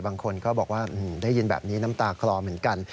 บางคนก็บอกว่าได้ยินแบบนี้น้ำตาคลอเหมือนกัน